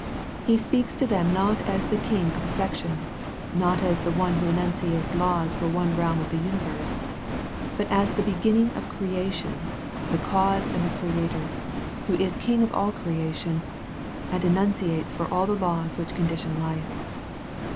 He speaks to them not as the King of a section, not as the One Who enunciates laws for one realm of the universe, but as the beginning of creation, the Cause and the Creator, Who is King of all creation, and enunciates for all the laws which condition life.